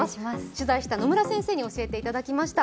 取材した野村先生に教えていただきました。